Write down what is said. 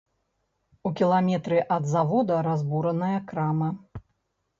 У кіламетры ад завода разбураная крама.